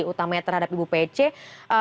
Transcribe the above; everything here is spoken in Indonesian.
utamanya terhadap ibu pece